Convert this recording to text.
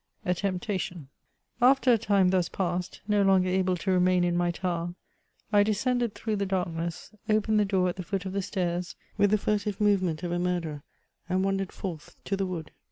A TEMPTATION. After a time thus passed, no longer able to remain in my tower, I descended through the darkness, opened the door at the foot of the stairs vrith the furtive movement of a murderer, and wandered forth into the wood.